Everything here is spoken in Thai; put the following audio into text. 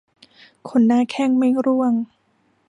ขนหน้าแข้งไม่ร่วง